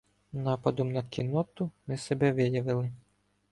Нападом на кінноту ми себе виявили.